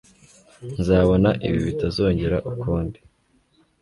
Nzabona ibi bitazongera ukundi